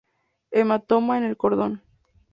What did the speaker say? Hematoma en el cordón.